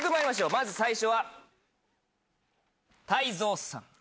まず最初は泰造さん。